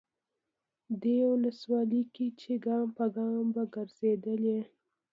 دې ولسوالۍ کې چې ګام به ګام ګرځېدلی،